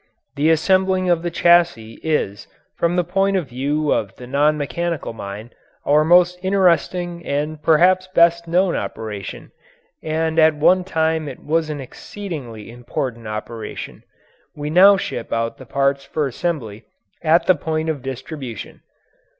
The assembling of the chassis is, from the point of view of the non mechanical mind, our most interesting and perhaps best known operation, and at one time it was an exceedingly important operation. We now ship out the parts for assembly at the point of distribution.